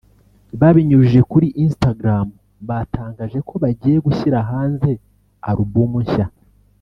Babinyujije kuri Instagram batangaje ko bagiye gushyira hanze album nshya